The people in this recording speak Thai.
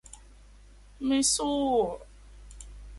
ไม่สู้